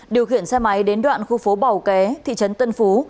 điều khiển xe máy đến đoạn khu phố bảo ké thị trấn tân phú